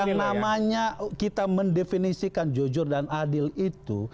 yang namanya kita mendefinisikan jujur dan adil itu